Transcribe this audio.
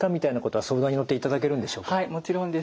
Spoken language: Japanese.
はいもちろんです。